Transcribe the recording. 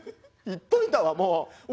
言っといたわもう。